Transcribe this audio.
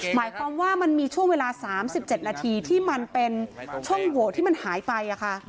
หมายความว่ามันมีช่วงเวลา๓๗นาทีที่มันเป็นช่องโหวตที่มันหายไป